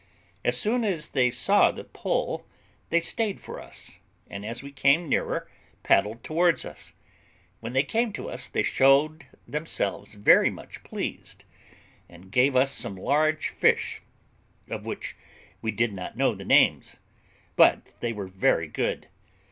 As soon as they saw the pole they stayed for us, and as we came nearer paddled towards us; when they came to us they showed themselves very much pleased, and gave us some large fish, of which we did not know the names, but they were very good.